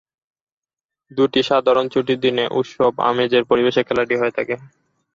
দু’টি সাধারণ ছুটির দিনে উৎসব-আমেজের পরিবেশে খেলাটি হয়ে থাকে।